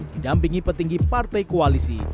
didampingi petinggi partai koalisi